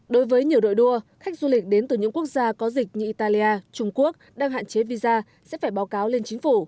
đối với nhiều đội đua khách du lịch đến từ những quốc gia có dịch như italia trung quốc đang hạn chế visa sẽ phải báo cáo lên chính phủ